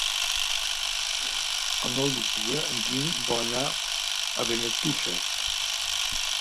El nou d'octubre en Guim vol anar a Benetússer.